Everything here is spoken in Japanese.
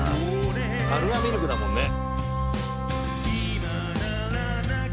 「カルアミルクだもんね」